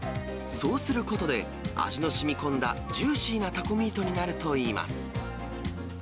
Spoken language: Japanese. そうすることで、味のしみこんだジューシーなタコミートになるといいます。